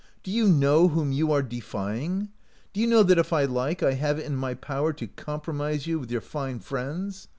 Do you know whom you are defying? Do you know that if I like I have it in my power to compromise you with your fine friends?